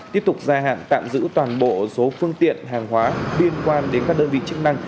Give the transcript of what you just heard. tiếp tục gia hạn tạm giữ toàn bộ số phương tiện hàng hóa liên quan đến các đơn vị chức năng